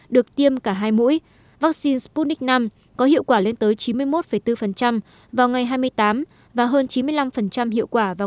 được tiêm cả hai mũi vaccine sputnik v có hiệu quả lên tới chín mươi một bốn vào ngày hai mươi tám và hơn chín mươi năm hiệu quả vào